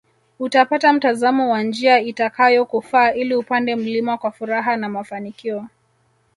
Utapata mtazamo wa njia itakayokufaa ili upande mlima kwa furaha na mafanikio